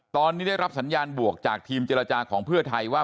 ตอนนี้ได้รับสัญญาณบวกจากทีมเจรจาของเพื่อไทยว่า